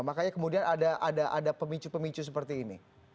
makanya kemudian ada pemicu pemicu seperti ini